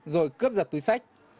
rồi cướp giật túi sách